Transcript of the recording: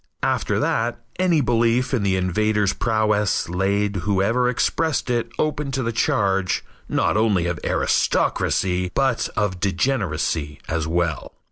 After that, any belief in the invader's prowess laid whoever expressed it open to the charge, not only of aristocracy, but of degeneracy as well.